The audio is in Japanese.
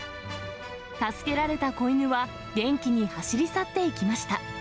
助けられた子犬は、元気に走り去っていきました。